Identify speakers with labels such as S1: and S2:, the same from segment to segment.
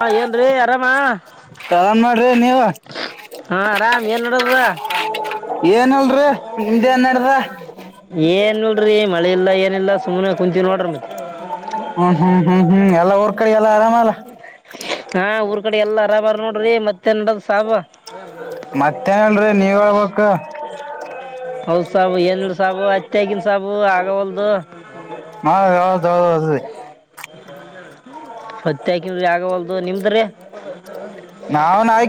S1: ಹ ಏನ್ರಿ ಆರಾಮ
S2: ಚಲನ್ ಮಾಡ್ರಿ ನೀವ
S1: ಹಾ ಆರಾಮ್ ಏನ್ ನಡದದ
S2: ಏನಲ್ರಿ ನಿಮ್ದೇನ್ ನಡ್ದ
S1: ಏನ್ಲ್ರಿ ಮಳೆ ಇಲ್ಲ ಏನಿಲ್ಲ ಸುಮ್ನೆ ಕುಂತಿನ್ ನೋಡ್ರಿ
S2: ಮಕ್ಕಳೆಲ್ಲ ಆರಾಮಾಲ
S1: ಹಾ ಊರ್ ಕಡೆ ಎಲ್ಲಾ ಆರಾಮ್ ಹರಾ ನೋಡ್ರಿ ಮತ್ತೆನು ನಡದದ ಸಾಬ್
S2: ಮತ್ತೇನಿಲ್ಲರಿ ನೀವ ಹೇಳ್ಬೇಕ
S1: ಹೌದ್ ಸಾಬು ಏನ್ ಇಲ್ಲ ಸಾಬು ಹತ್ತಿ ಹಾಕಿನ ಸಾಬು ಆಗವಲ್ದು
S2: [unintelligible]
S1: ಹತ್ತಿ ಹಾಕಿದ್ರೂ ಆಗವಲ್ದು ನಿಮ್ದ್ರಿ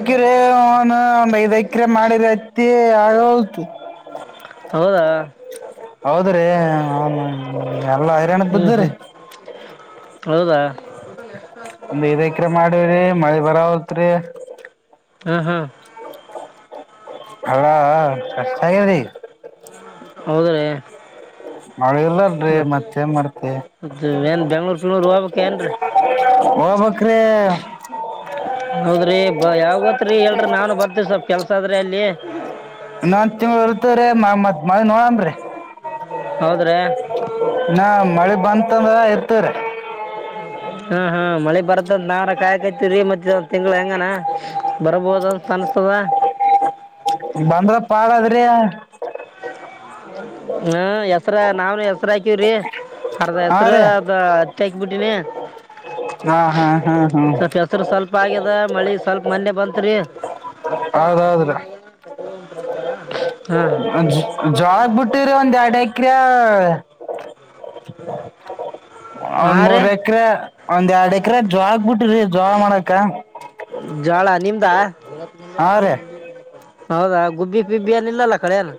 S2: ಎಕರೆ ಒನ್ ಒಂದ್ ಐದ್ ಎಕರೆ ಮಾಡಿರ ಹತ್ತಿ ಅಗ್ವಾಲ್ಡು
S1: ಹೌದಾ ಹ್ಮ್ ಹ್ಮ್
S2: [unintelligible]
S1: ಹೌದಾ
S2: ಒಂದ್ ಐದು ಎಕರೆ ಮಾಡವ್ರಿ ಮಳಿ ಬರುವಲ್ಟ್ರಿ
S1: ಹ್ಮ್ ಹ್ಮ್
S2: ಹಾ ಹಾ ರಿ ಕಟ್ ಆಗ್ಯವರಿ
S1: ಹೌದ್ರೀ
S2: ಮಳಿ ಇಲ್ಲ ಅಲ್ರೀ ಮತ್ತೇನ್ ಮಾಡ್ತಿ
S1: ಮತ್ ಏನ್ ಬೆಂಗ್ಳೂರ್ ಬೆಂಗ್ಳೂರ್ ಹೋಗ್ಬೇಕ್ ಏನ್ರಿ
S2: ಹೋಗ್ಬೇಕ್ರಿ
S1: ಹೌದ್ರಿ ಬ ಯಾವ ಗೋತ್ರಿ ಹೇಳರಿ ನಾನು ಬರ್ತೀವಿ ಸ್ವಲ್ಪ ಕೆಲ್ಸ ಆದ್ರೆ ಅಲ್ಲಿ
S2: ಇನೊಂದು ತಿಂಗಳ ಇರ್ತುದ ರಿ ಮತ ಮಳಿ ನೋಡಂಬ್ರಿ
S1: ಹೌದ್ರೀ
S2: ಹಾ ಮಳೆ ಬಂತಂದ ಇರ್ತಾದ್ರಿ
S1: [unintelligible] ಹಾ ಹಾ ಮಳಿ ಬರ್ತದ ಅಂತ ನಾ ಕಾಯಕತಿರಿ ಮತ್ತೆ ಇದೊಂದು ತಿಂಗಳು ಹೆಂಗಾನ ಬರಬಹುದು ಅಂತ ಅನ್ಸ ತದ
S2: ಬಂದ್ರ ಪಾಳ ಅದರಿ
S1: ಹಾ ಹೆಸರ ನಾವನು ಹೆಸ್ರ ಹಾಕೀವ್ರಿ ಅರ್ದ
S2: ಹಾ
S1: ಹೆಸರು
S2: ರೀ
S1: ಅದು ಹತ್ತಿ ಹಾಕ ಬಿಟ್ಟಿನಿ
S2: ಹಾ ಹಾ ಹಾ ಹಾ
S1: ಸ್ವಲ್ಪ ಹೆಸರು ಸ್ವಲ್ಪ ಆಗ್ಯದ ಮಳಿ ಸ್ವಲ್ಪ ಮನ್ನೆ ಬಂತ್ರಿ
S2: ಹೌದೌದ್ರಿ
S1: ಹ
S2: ಜ್ವಾಳದ ಬುಟ್ಟಿ ರಿ ಒಂದ್ ಎರಡು ಎಕ್ರಿ
S1: ಹಾ
S2: ಒಂದ್
S1: ರೀ
S2: ಮೂರ್ ಎಕ್ರೆ ಒಂದ್ ಎರಡ್ ಎಕ್ರೆ ಜೋಳದ ಬಿಟೀವ್ರಿ ಜ್ವಾಲಾ ಮಾಡಕ
S1: ಜ್ವಾಲಾ ನಿಮ್ದಾ
S2: ಹಾ ರೇ
S1: ಹೌದಾ ಗುಬ್ಬಿ ಪಿಬ್ಬಿ ಎಲ್ಲಿಲ್ಲದ ಕಳೆಯದ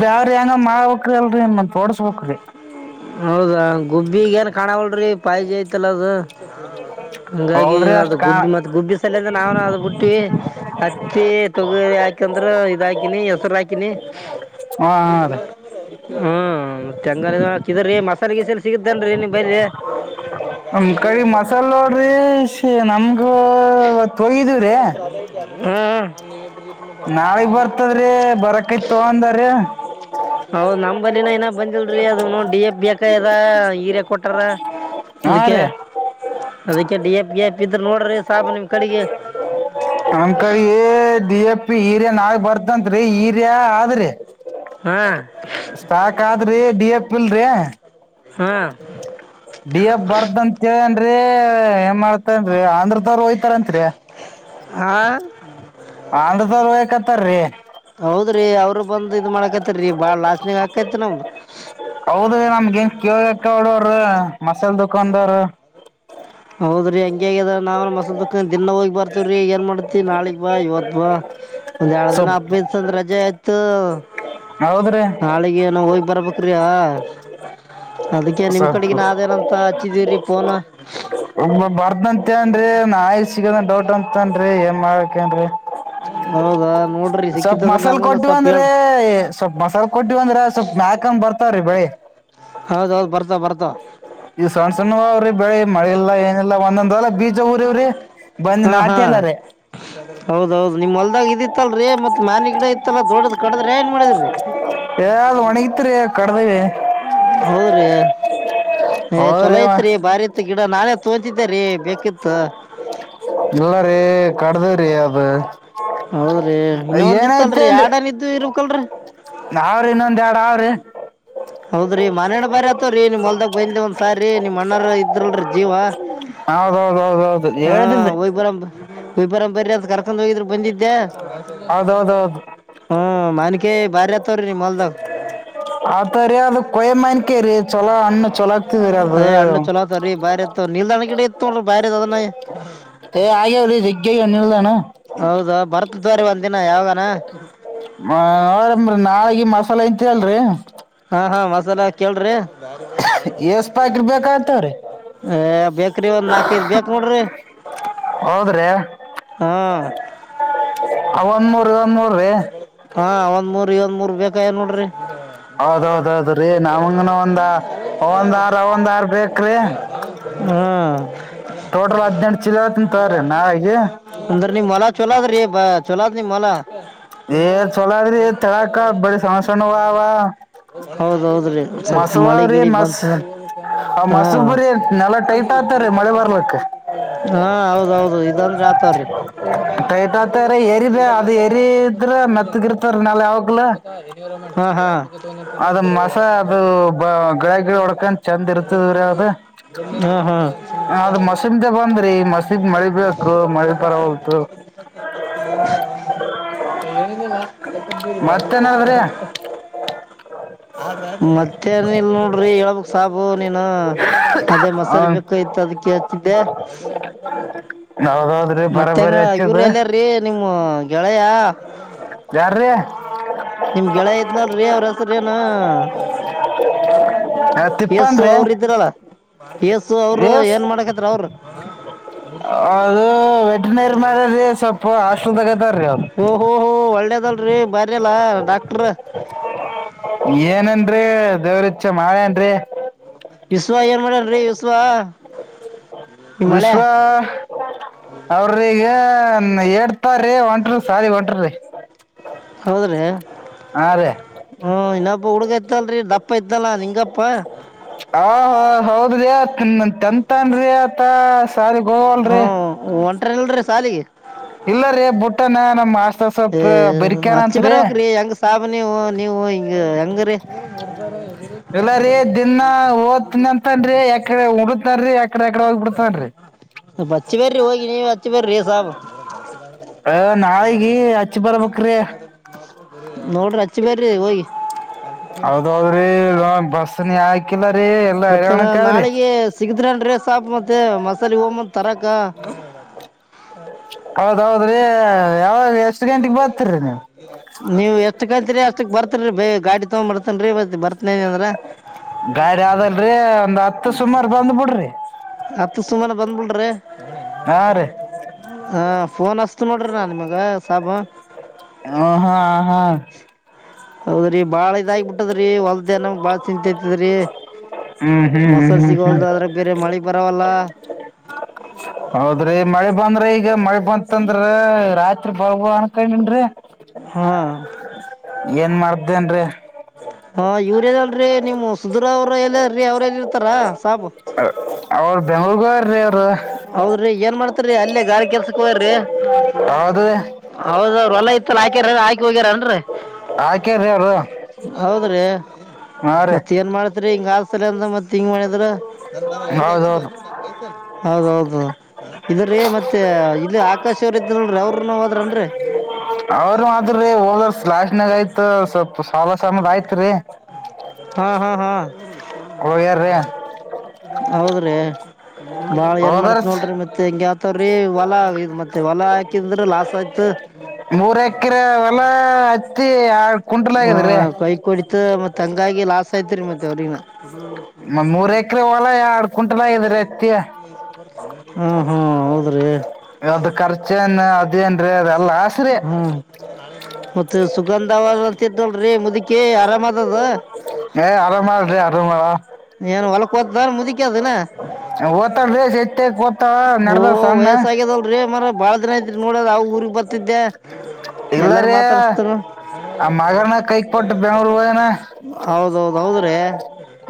S2: ಬ್ಯಾರೆ ಏನ್ರಾ ಮಾಡಬೇಕ ಅಲ್ರೀ ಮತ್ತು ಹೊಡೆಸಬೇಕರಿ
S1: ಹೌದಾ ಗುಬ್ಬಿಗ ಏನ್ ಕಾಣಾವಲರಿ ಪಾಯ್ಜಿ ಐತಲ್ಲ ಅದು ಹಂಗಾಗಿ
S2: ಹೌದ್ರಿ
S1: ಅದು
S2: ಅಷ್ಟ್ ಕಾ
S1: ಗುಬ್ಬಿ ಮತ್ತೆ ಗುಬ್ಬಿ ಸಲಿಂದ ನಾವನ ಅದು ಬಿಟ್ಟವಿ ಮತ್ತ ತಗ ಹಾಕಂದ್ರ ಇದ ಹಾಕಿನಿ ಹೆಸರು ಹಾಕಿನಿ
S2: ಹಾ ಹಾ ರೀ
S1: ಹ ಮತ್ತೇಂಗಾರ ಇದರಿ ಮಸಾಲೆ ಗೀಸಲೆ ಎಲ್ಲಿ ಸಿಗತೇನ್ರೀ ನಿಂಬಲ್ಲಿ
S2: ನಮ್ ಕಡಿ ಮಸಾಲ ಸಿಗ ನಮಗೂ ಇವತ್ತ್ ಹೋಗಿದುವರಿ
S1: ಹ್ಮ್
S2: ನಾಳಿಗೆ ಬರ್ತದ್ರಿ ಬರಕ ಇತ ಅಂದಾರೀ
S1: ಹೌದ್ ನಮ್ಮ ಬಲಿನ ಇನ್ನಾ ಬಂದಿಲ್ರಿ ಅದು ನೋಡಿ ಡಿ ಎ ಬೇಕ ಇದ ಹೀರ್ಯ ಕೊಟಾರ
S2: ಹಾ
S1: ಅದಕ್ಕೆ
S2: ರೀ
S1: ಅದಕ್ಕೆ ಡಿ ಎಫ್ ಬಿ ಎಫ ಇದ್ರ ನೋಡ್ರಿ ಸಾಬ ನಿಮ್ ಕಡೆಗೆ
S2: ನಾ ಬರ್ತತ್ರಿ ಹೀರ ಆದ್ರಿ
S1: ಹಾ
S2: ಸ್ಟಾಾದ್ರೀ ಡಿ ಎ ಪಲ್ ರೀ
S1: ಹಾ
S2: ಡಿ ಎಫ್ ಬರ್ಧನ್ ಚನ್ ಅ್ರ ಏನ್ ಮಾಡ್ತನ್ರಿ ಆಂಧ್ರದವರು ಹೋಯತಾರತ್ರಿ
S1: ಹಾ
S2: ಆಧ್ರದಬೇಕತ್ತಾರೀ
S1: ಹೌದ್ರಿ ಅವರು ಬಂದ್ ಇದ್ ಮಾಡಕತ್ತರಿ ಬಾಳ ಲಾಸ್ನೆಗ ಆಕತಿ ನಮ್ದ್
S2: ಹೌದೀ ನಮ್ಗ ನ್ ಕೇೇಳಬೇಕಕ್ಕ ಅವಡವ್ರ ಮಸಾಲ ದುಕಾನ್ದಾರ
S1: ಹೌದ್ರಿ ಹಂಗಗ್ಯದ ನಾವನ್ ಮಸಲ್ ದುಕ್ಕ ದಿನ ಹೋಗಿ ಬರ್ತವ್ರೀ ಏನ್ ಮಾಡ್ತ ತಿ ನಾಳಗ್ ಬಾ ಇವತ್ ಬಾ ಒಂದ್ ಎರಡು ದಿನ
S2: ಸೊಪ್
S1: ಹಬ್ಐತ್ ಅಂದ ರಜೆ ಆಯ್ತು
S2: ಹೌದ್ರಿ
S1: ಹಾಳಿಗೆ ಏನ ಹೋಗ್ ಬರ್ಬೇಕ್ರಿ ಅದಕ್ಕೆ ನಿಮ್
S2: ಸ್ವಲ್ಪ
S1: ಕಡೆಗ ನಾವೇನಂತ ಹಚ್ಚಿದೀವ್ರೀ ಫೋನ್
S2: ಒಬ್ಬ ಬರ್ದಂತೆ ಅನ್ನಾಯ ಸಿಗದ ಡೌಟ್ ಅಂತನ್ರಿ ಏನ್ ಮಾಡಕನ್ರಿ
S1: ಹೌದಾ ನೋಡ್ರಿ
S2: ಸ್ವಲ್ಪ
S1: ಸಿಕ್ಕಿತ್ತಂದ್ರ
S2: ಮಸಾಲೆ
S1: ನಮ್ಗನ
S2: ಕೊಟ್ಟಿವ
S1: ಸ್ವಲ್ಪ
S2: ಅಂದ್ರೆ
S1: ಹೇಳ್ರಿ
S2: ಸ್ವಲ್ಪ್ ಮಸಾಲ ಕೊಟ್ಟಿವ ಅಂದ್ರ ಸ್ವಲ್ಪ್ ಮ್ಯಾಕಂಬ ಬರ್ತ ಬೆಳಿ
S1: ಹೌದೌದು ಬರ್ತ ಬರ್ತ
S2: ಈ ಸಣ್ಣ ಸಣ್ಣ ಅವ್ರಿ ಬೆಳಿ ಮಳೆ ಇಲ್ಲ ಏನಿಲ್ಲ ಒಂದೊಂದ್ಲ ಬೀಚ್ ಊರಿವ್ರಿ ಬಂದ
S1: ಹಾ ಹಾ
S2: ನಾಟ್ಯ ಎಲ್ಲಾರ
S1: ಹೌದೌದು ನಿಮ್ ಅಲ್ದಾಗ ಇದಿತ್ತಲ್ರಿ ಮತ್ ಮನಿ ಗಿಡ ಇತ್ತಲ್ಲಾ ದೊಡ್ಡದ ಕಡದ್ರೆ ಏನ್ ಮಾಡಿದ್ರಿ
S2: ಯ್ದ್ ಒಣಗಿತ್ರಿ ಕಡದವಿ
S1: ಹೌದ್ರೀ ಏ ಚೊಲೋ
S2: ಹೌದ್ರಿ
S1: ಐತ್ರಿ ಬಾರಿ ಇತ್ ಗಿಡ ನಾನೇ ತೋಚಿದ್ದೇರಿ ಬೇಕಿತ್ತು
S2: ಇಲ್ಲ ರೀ ಕಡದವ್ರೀ ಅದು
S1: ಹೌದ್ರಿ ಇನ್ನೊ ಒಂದ ಇತ್ತಲ್ರರಿ ಯಡನ ಇದಿದ್ದು ಇರ್ಬೇಕಕ್ಲ್ರರಿ
S2: ಅವಾವ್ರರಿ ಇನ್ನೊಂದ ಎರಡ್ ಅವ್ರಿ
S1: ಹೌದ್ರೀ ಮನೇಣ್ ಬರಿ ಆತವ್ರೀ ನೀ ನಿ ಮಲ್ದಾಗ ಬಯೆ ಒಂದ್ ಸಾರಿ ನಿಮ್ ಅಣ್ಣರ ಇದ್ರಲ್ರ ಜೀವ
S2: ಹೌದೌದೌದೌದು
S1: ಹಾ
S2: ಹೇಳಿದ್ರಿ
S1: ವಯಬರ ಒಯ್ಬರ ಬರ್ರ ಅಂತ ಕರ್ಕೊಂಡ್ ಹೋಗಿದ್ರು ಬಂದಿದ
S2: ಹೌದೌದೌದು
S1: ಹ್ಮ ಮನ್ಕ ಬಾರಿ ತರೀ ಮಲ್ದಾಗ
S2: ಹದು ರಿ ಅದು ಕೊಯಮ್ಮನ್ಕ ರೀ ಚೊಲೋ ಅಣ್ಣ ಚಲ ಆಗ್ತಿದರಿ ಅದು
S1: ಅದೇ ಇತ್ತ ಬರೆದ ನ
S2: ಆಗ್ಯಾವ್ರಿ ಸಿಗ್ಗ ನಿಲ್ದಾನ
S1: ಹೌದಾ ಬರತ್ ದ್ವಾರಿ ಒಂದ ದಿನ ಯಾವನ
S2: ನೋಡ ನಾಳಗ ಮಸಾಲೆ ಇಂತ ಅಲ್ರರಿ
S1: ಹಾ ಹಾ ಮಸಾಲ ಕೇಳ್ರಿ
S2: ಎಸ್ ಪ್ಯಾಕೆಟ್ ಬೇಕಾಗ್ತಾವ್ರಿ
S1: ಏ ಬೇಕ್ರಿ ಒಂದ್ ನಾಲ್ಕದುಬೇಕ ನೋಡ್ರಿ
S2: ಹೌದ್ರೆ
S1: ಹಾ
S2: ಮೂರ್ರಿ
S1: ಹಾ ಒಂದ್ ಮೂರ್ ಒಂದ್ ಮೂರ್ ಬೇಕಾಯ ನೋಡ್ರಿ ಅಂತ ಮಾತ್ರ
S2: ಹೌದೌದೌದ್ರಿ ನಮಗನ ಒಂದ ಒಂದ್ ಆರ್ ಒಂದ್ ಆರ್ ಬೇಕ್ರಿ ಟೋಟಲ್ ಹದ್ನೆಂಟು ಚಲತ್ತ ತರ ನಾವಗ
S1: ಅಂದ್ರ ನೀ ಮಲ ಚೊಲದು ರೀ ಬ ಚೊಲದು ನೀ ಮಲ
S2: ಏ ಚಲದ್ರಿ ತಳಾಕ ಬಡ ಸಮಸ್ಯಣ ವ
S1: ಹೌದೌದ್ರಿ ಸ್ವಲ್ಪ ಮಳಿ
S2: ಮಾಸುವರಿ
S1: ಗಿಳಿ
S2: ಮಾಸ
S1: ಬಂತಂದ್ರ
S2: ಆ
S1: ಹಾ
S2: ಮಸುಬರಿ ನೆಲ್ಲಾ ಟೈಟ್ ಆಗ್ತ ರೀ ಮಳೆ ಬರ್ಲಕ್ಕ
S1: ಹಾ ಹೌದೌದು ಇದಂದಿ ಆತವ್ರೀ
S2: ಟೈಟ್ ಆತವ್ರಿ ಏರಿ ಬೇ ಅದು ಏರಿ ಇದ್ರ ಮೆತ್ತಗಿರ್ತಾವ್ರಿ
S1: ಹ ಹಾ
S2: ಅದು ಮಸ ಅದು ಬ ಗಿಡ ಗಿಡ ಹೊಡ್ಕಂಡ್ ಚೆಂದ ಇರ್ತದರಾವ್ದ
S1: ಹಾ ಹಾ
S2: ಅದ ಮಸೀಮ್ದ ಬಂದ್ರಿ ಮಸೀಮ ಮಳಿ ಬು ಮಳಿ ಪರತು
S1: ಮತ್ತೆ ಏಲ್ಲ
S2: ಮತ್ತೇನದ್ರಿ
S1: ಮತ್ತೇನ ಇಲ್ ನೋಡ್ರಿ ಹಳ್ಬಕ್ ಸಾಬು ನೀನು ಅದೇ ಮಸಾಲೆ ಬೇಕು ಯ್ತ ಅದಕ್ಕೆತಿದ್ದೆ
S2: ಹೌದೌದ್ರಿ
S1: ಮತ್ತೆಂಗ
S2: ಬರಬರಿ ಹಚ್ಚದ
S1: ಇವ್ರ ಎಲ್ಲಯಾರೀ ನಿಮ್ಮ ಗೆಳೆಯ
S2: ಯಾರ್ರೀ
S1: ನಿಮ್ ಗೆಳ ದ ನೋಡ್ರಿ ಅವ್ರ ಹಸ್ರ ನ ಯಸ್ಸು
S2: ತಿಪ್ಪನ್ರಿ
S1: ಅವ್ರ ಇದ್ರಲ್ಲ ಯಸು ಅವರು
S2: ಎಸ್
S1: ಏನ್ ಮಾಡಕತ್ ಅವರು
S2: ಅದು ವೆಟನರಿ ಮದ ಸೊಪು
S1: ಓ ಹೋ ಹೋ ಒಳ್ಳೇದಲ್ರಿ ಬರಲ್ಲಾ ಡಾಕ್ಟ್ರ
S2: ಏನೇನ್ರರಿ ದೇವ್ರಛ ಮಾಡೇನ್ರರಿ
S1: ವಿಶ್ವ ಏನ್ ಮಾಡ್ಯನ್ರಿ ವಿಶ್ವ ಈ ಮಳೆ
S2: ವಿಶ್ವ ಅವ್ರೀಗ ಹ ಹೇಡ್ತ ರೀ ಒಂ ಸಾರಿ ಒಂಟ್ರೀ ಹಾ ರೀ
S1: ಹ ಇನ್ನಪ್ಪ ಉಡುಗ ಎತ್ತಲ್ರಿ ದಪ್ಪ ಎತ್ತಲ್ಲಾ ನಿಂಗಪ್ಪ
S2: ಹೌದ್ರಿ ಹ ತಂತನ್ರಿ ಆತ ಸಾರಿ ಗೋಲ್ರಿ
S1: ಹ್ಮ್ ಹೊಂಟ್ರಲ್ರಿ ಸಾಲಿಗೆ
S2: ಇಲ್ಲ ರೀ ಬುಟ್ಟನ ನಮ
S1: ಏ
S2: ಆಸ್ತವಪ ಬರಿಕ್ಯಾರ ಅತ್ರಿ
S1: ಹ ಇ ಹೆಂಗ ರೀ
S2: ಇಲ್ಲಾರಿ ದಿನಾ ಓದ್ತನಂತನ್ ಯಾಕಡೆ ಉಡು
S1: ಬಚ್ಚಿ ಬರ್ರಿ ಹೋಗ ನೀ ಹಚ್ಚಿ ಬರ್ರಿ ಸಾಬ [unintelligible]
S2: ಹ ನಾಳಗ ಅಚ್ಚಿ ಬರಬಕ್ಕ್ರ
S1: ನೋಡ್ರಿ ರಚ್ಚಿ ಬೇರೆ
S2: ಹೌದೌದ್ರಿ ಬಸನಿ ಆಕಿಲ್ಲ
S1: ಮತ್ತೆ ನಾಳಿಗೆ ಸಿಗದ್ರನ್ ಸಾಪ್ ಮತ್ತೆ ಮಸಾಲೆ ಹಮ್ಮಂದ ತರಕ ಹ
S2: ಹೌದೌದ್ರಿ ಯಾವಾಗ ಎಷ್ಟ್ ಗಂಟೆಗ್ ಬರ್ತೀರಿ ನೀವು
S1: ನೀವು ಎಷ್ಟ ಕಂತರಿ ಎಷ್ಟ ಬರ್ತನ್ ಬೇ ಗಾಡಿ ತಗೊಂಡ್ ಬರ್ತೇನ್ಬತ್ತ ಬರ್ತನ್ ಅಂದ್ರ
S2: ಗಾಡಿ ಆದಲ್ರಿ ಒಂದ್ ಹತ್ತು ಸುಮಾರ ಬಂದ್ ಬಿಡ್ರಿ
S1: ಹತ್ತು ಸುಮನೆ ಬಂದ್ಬಿಡ್ರಿ
S2: ಹಾ ರೀ
S1: ಹಾ ಫೋನ್ ಅಸ್ತ್ ನೋಡ್ರಿ ನಾ ನಿಮಗ ಸಾಬ
S2: ಆ ಹಾ ಆ ಹಾ
S1: ಹೌದ್ರಿ ಬಾಳ ಇದಾಗಿಬ ಬಿಟ್ಟದ್ರೀ ಹೊಲ್ದ ಅನಮಂಗ ಬಾಳ ಚಿಂತ ತದ್ರೀ
S2: ಹ್ಮ್ ಹ್ಮ್
S1: ಮೊಸರು
S2: ಹ್ಮ್ ಹ್ಮ್
S1: ಸಿಗೋಲ್ದು ಆದ್ರೆ ಬೇರೆ ಮಳೆ ಬರವಲ್ಲ
S2: ಹೌದ್ರಿ ಮಳೆ ಬಂದ್ರ ಈಗ ಮಳೆ ಬಂತಂದ್ರಾತ್ ಬಾ ಅನ್ಕನ್ ಮಿಂಡ್ರೀ
S1: ಹಾ
S2: ಏನ್ ಮಾಡ್ದೇನ್ರರಿ
S1: ಹಾ ಇವ್ರೇನಲ್ರರಿ ನಿಮ್ಮ ಸುಧುರ ಅವರು ಎಲ್ಲಾರೀ ಅವ್ರಲ್ಲಿ ಇರ್ತಾರ ಸಾಬು
S2: ಅವ ಬ ಅವ್ರು
S1: ಹೌದ್ರಿ ಏನ್ ಮಾಡ್ತರಿ ಅಲ್ಲೇ ಗಾರಿ ಕೆಲ್ಸಕ್ ಹೋಗ್ಯಾರಿ
S2: ಹೌದ್ರಿ
S1: ಹೌದ ಅವ್ರರು ಎಲ್ಲಾ ಇತ್ತ ಹಾಕ್ಯಾರ ಹಾಕಿ ಹೋಗ್ಯಾರನ್ರೀ
S2: ಆಕ್ರಿ ಅವ
S1: ಹೌದ್ರೀ
S2: ರೀ
S1: ಮತ್ತ್ ಏನ್ ಮಾಡತ್ರಿ ಹಿಂಗ ಆತಲ ಅಂದ ಮತ್ ಹಿಂಗ್ ಮಾಡಿದ್ರ
S2: ಹೌದೌದು
S1: ನಂಗಸ ಹೌದೌದು ಇದ್ರೀ ಮತ್ತೆ ಇಲ್ಲಿ ಆಕಾಶವರು ಇದ್ದಲ್ರರಿ ಅವರು ನಾವದ್ರನ್ರರಿ
S2: ಅವರು ಮಾತ್ರರಿ ಹೋದ ಲಲಾಶನ್ಗ ಆಯ್ತ ಸ್ವಲ್ ಸಾಲ ಸಮದ ಆಯ್ತ್ ರೀ
S1: ಹಾ ಹಾ ಹಾ
S2: ಹ ಯಾರ ರೀ
S1: ಹೌದ್ರೀ ಬಾಳ ಏನ್ ಮಾಡತ್
S2: ಹೋದರ್ಸ್
S1: ನೋಡ್ರಿ ಮತ್ತೆ ಹೆಂಗ ಆತವ್ರೀ ಹೊಲ್ ಮತ್ತೆ ಹೊಲ ಹಾಕಿದಂದ್ರ ಲಾಸ್ ಆಯ್ತ
S2: ಮೂರ್ ಎಕರೆ ಹೊಲ ಹತ್ತಿ ಆ
S1: ಹಾ ಕೈ ಕುಡಿತ ಮತ್ ಹಂಗಾಗಿ ಲಾಸ್ ಐತ್ರಿ ಮತ್ತೆ ಅವ್ರಗಿನ
S2: ಮ್ ಮೂರ್ ಎಕರೆ ಹೊಲ ಎರಡ್ ಕುಂಟಲ್ ಆಗಿದ್ರ ಅತ್ತ
S1: ಹ್ಮ್ ಹ್ಮ್ ಹೌದ್ರಿ
S2: ಅದ ಖರ್ಚೇನ್ ಅೇನ್ೀ ಅದೆಲ್ಲ ಆಸ್ರೆ
S1: ಮ ಸುಗಂಧ ಅವತ್ತ್ದವಳ್ರೀ ಮುದಕಿ ಆರಾಮ್ದದ
S2: ಅರ ಮಾಡ ರೀ ಅರಮ
S1: ಹೊಲಕ್ ಹೋತದಾನ್ ಮುದುಕಿ ಅದಿನ
S2: ಓತ ತೆ ಕತ ನಡದ ಸಣ್ಣ
S1: ಆಗ್ಯದಲ್ರಿೀ ಮರ ಬಾಳ ಜನ ಐತ್ರಿ ನೋಡದ ಅವ ಊಗ್ ಬರ್ತಿದ್ದೆ ಎಲ್ಲಾರು
S2: ಇಲ್ಲಾರ
S1: ಮಾತಾಡಸ್ತಾರ
S2: ಬೆಂಗ್ಳೂರ್ ಹೋಗನ
S1: ಹೌದೌದ್ ಹೌದ್ರೀ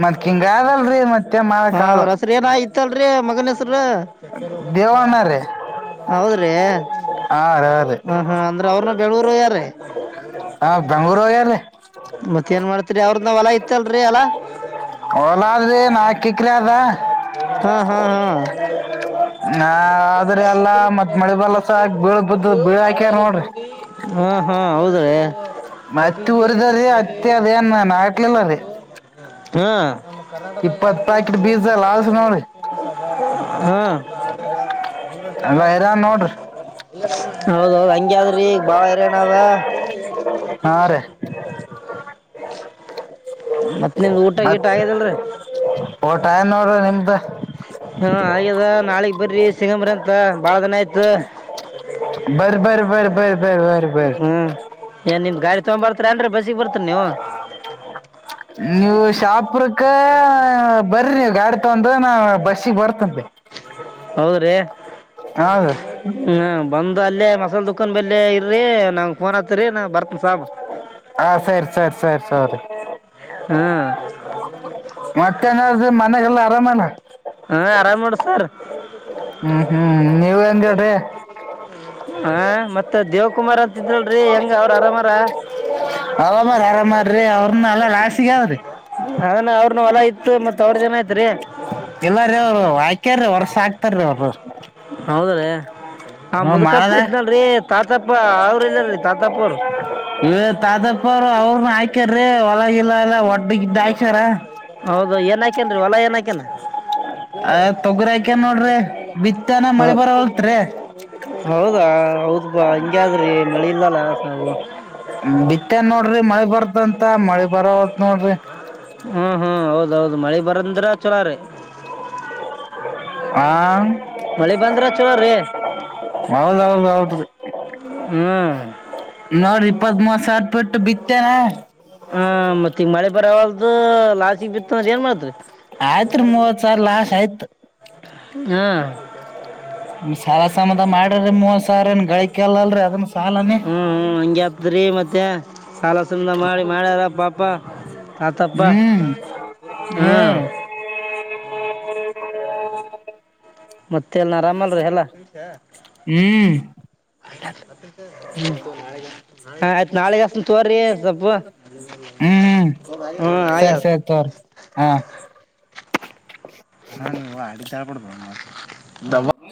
S2: ಮತ್ ಹಿಂಗ ಅದಲ್ರಿ ಮತ್ತೆ
S1: ಹಾ
S2: ಮಾಡಕ್ ಆಗಲ್ಲ
S1: ಅವ್ರಸ್ರ ಏನ ಇತ್ತಲ್ರಿೀ ಮಗನಸ್ರ
S2: ದೇವಣ್ಣ ರೀ
S1: ಹೌದ್ರೀ
S2: ಹಾ ರೀ ರೀ
S1: ಹ್ಮ್ ಹ್ಮ ಅಂದ್ರೆ ಅವ್ರನು ಬೆಂಗಳೂರ ಹೋಗ್ಯಾರ್ರಿ
S2: ಹಾ ಬೆಂಗ್ಳೂರ್ ಹೋಗ್ಯಾರೀ
S1: ಮತ್ತ ಏನ್ ಮಾಡ್ತಿರಿ ಅವ್ರದನ ಹೊಲ ಇತ್ತಲ್ರಿ ಅಲಾ
S2: ಲ ಆದೀ ನಾಲ್ಕಾ ಎಕರೆ ಅದ
S1: ಹಾ ಹಾ ಹಾ
S2: ಹಾ ಆದ್ರಿ ಅಲ್ಲಾ ಮತ್ ಮಳೆ ಬಲ್ಲಸ ಬೀಳ ಬ್ದ ಬೀಳ ಹಾಕ್ಯಾರ ನೋಡ್ರಿ
S1: ಹಾ ಹಾ ಹೌದ್ರೀ
S2: ಮತ್ತೆ ಉರಿದ್ರೀ ಅತ್ತೆ ಅದೇಏನ್ ನನ್ ಹ ಆಾಕ್ಲಿಲ್ಲ ರೀ
S1: ಹ್ಮ
S2: ಇಪ್ಪತ್ ಪ್ಯಾಕೆಟ್ ಬೀಜ ಲಾಸ್ ನೋಡ್ರಿ
S1: ಹ್ಮ ಅದ ಹೂರ ಸರ
S2: ಎಲ್ಲ ಹೈರಾನ್ ನೋಡ್ರಿ
S1: ಹೌದೌದು ಹಂಗದ್ರಿಗ ಬಾಳ ಇರ್ಯನವ
S2: ಹಾ [inaudible]
S1: ಮತ್ತ
S2: ಮತ್ ಓಟ ಏನ್ ನೋಡ್ರ ನಿಮ್ದ
S1: ಹ್ಮ ಹಾಗ್ಯದ ನಾಳಗ್ ಬರ್ರಿ ಸಿಂಗಂಬರಿ ಅಂತ ಬಾಳ ದಿನ ಆಯ್ತು
S2: ಬರ್ರಿ ಬರ್ರಿ ಬರ್ರಿ ಬರ್ರಿ ಬರ್ರಿ ಬರ್ರಿ ಬರ್ರಿ
S1: ಹ್ಮ್ ಏನ್ ನಿಮ್ದ್ ಗಾಡಿ ತಗೊ ಬರ್ತರಿ ಅಂದ್ರೆ ಬಸ್ಿಗೆ ಬರ್ತರಿ ನೀವು
S2: ನೀವು ಶಾಪುರಕ್ಕ ಬರಿ ನೀವು ಗಾಡಿ ತಗೊಂಡ ನ ಬಸ್ಸಿಗೆ ಬರ್ತಂತೆ
S1: ಹೌದ್ರಿ
S2: ಹೌದು
S1: ಹ್ಮ ಬಂದ್ ಅಲ್ಲೇ ಮಸಾಲ ದುಕಾನ್ ಬೆಲ್ಲ ಇರಿ ನಂಗ ಫೋನ್ ಹತ್ತರಿ ನಾ ಬರ್ತನ ಸಾಮ್
S2: ಹಾ ಸರಿ ಸರಿ ಸರಿ ಸೌರಿ
S1: ಹ್ಮಞ
S2: ಮತ್ತೇನಾದ್ರೂ ಮನೆಗೆಲ್ಲ ಆರಾಮಲ್ಲ
S1: ಹಾಂ ಆರಾಮ್ ನೋಡ್ರಿ ಸರ್
S2: ಹ್ಮ್ ಹ್ಮ್ ನೀವ ಎನ್ ಹೇಳ್ರಿ
S1: ಹ ಮತ್ತ ದೇವಕುಮಾರ್ ಅಂತ
S2: ಅವಾಮ್ ಆರಾಮರೀ ಅವ್ರನ್ನ ಎಲ್ಲ ಲಾಸಿಗೆ ಅವಾವ್ರರಿ
S1: ಅದನ್ನ ಅವ್ರನ್ನ ಹೊಲ ಇತ್ತು ಮತ್ತು ಅವ್ರ ಜನ ಐತ್ರಿ
S2: ಎಲ್ಲ ೀ ಅವ್ರು ಆಾಕ್ಯ್ರೀ ವರ್ಷ ಆಕ್ತಾರೀ ಅವ್ರು
S1: ಹೌದೇ ಆ
S2: ಹ್ಮ್
S1: ಮುದುಕಪ್ಪ
S2: ಮಾಡದ
S1: ಇದ್ನಲ್ರಿ ತಾತಪ್ಪ ಅವ್ರ ಇದರಿ ತಾತಪ್ಪ ಅವರು
S2: ತಾತಪ್ಪರು ಅವ್ರನು ಹಾಕಾರ್ರಿ ಒಳಗಿಲ್ಲ
S1: ಹೌದು ಏನಕೇನ್ೀ ಹೊಲ ಏನ್ಕನ
S2: ಆ ತೊಗರಿ ಹಾಕ್ಯಾನ್ ನೋಡ್ರಿ ಬಿತ್ತನ
S1: ಹ
S2: ಮಳಿ ಬರವಲ್ತ್ರಿ
S1: ಹೌದಾ ಹೌದು ತು ಹಂಗಗೆ ಆದ್ರಿ ಮಳಿ ಇಲ್ಲಲ್ಲ ಸವು
S2: ಬಿತ್ತನ್ ನೋಡ್ರಿ ಮಳೆ ಬರ್ದಂತ ಮಳೆ ಬರೋ
S1: ಹ್ಮ್ ಹ್ಮ್ ಹೌದೌದು ಮಳೆ ಬರಂದ್ರ ಚಲೋ ರೀ
S2: ಹ
S1: ಮಳಿ ಬಂದ್ರ ಚಲೋ ರೀ
S2: ಮಾವಲ್ ಹೌದೌದು
S1: ಹ್ಮ್
S2: ಸರ್ ಬಿಿಟ್ಟು ಬಿತ್ತೇನೆ
S1: ಹಾ ಮತ್ ಈಗ ಮಳೆ ಬರವಲ್ದು ಲಾಸಿಗ್ ಬಿತ್ಅದೆ ಏನ್ ಮಾಡಿದ್ರಿ
S2: ಹಾ ಸಯತ್ ಸಾರ ಸಮದ ಮಾಡ ರ ಮೂ ಸಾರನು ಗಾಯಕಲ್ಲಲ್ಲ [unintelligible] ರಿ ಅದನ್ನ ಸಾಲನೆೇ
S1: ಅರಿ ಮತ್ತೆ ಸಾಲ ಸಲದ ಮಾಡಿ ಮಾಡ್ಯಾರ ಪಾಪ ತಾತಪ್ಪ
S2: ಹ್ಮ್
S1: ಹ್ಮ
S2: ಹ್ಮ್
S1: ಮತ್ತೆ ಎಲ್ಲ ಆರಾಮ ಅಲ್ರಿ ಎಲ್ಲಾ
S2: ಹ್ಮ್
S1: ಆಯ್ತು ನಾಳೆಗ್ಸ ತೋರ್ರಿ ಸ್ವಲ್ಪ
S2: ಹ್ಮ್
S1: ಹಾ ಆ ಯಾ
S2: ಸರಿ ಸರಿ ತೋರಿ ಹಾ
S1: ಹಾನ ಅಡಿ ತಾರಪ ಬ [unintelligible]
S2: ಹ [inaudible]